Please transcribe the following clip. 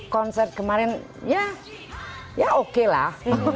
konser kemarin ya ya oke lah